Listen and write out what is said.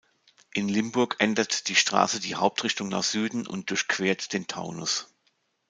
Im Limburg ändert die Straße die Hauptrichtung nach Süden und durchquert den Taunus.